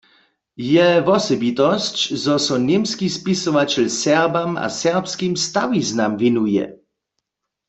Je wosebitosć, zo so němski spisowaćel Serbam a serbskim stawiznam wěnuje.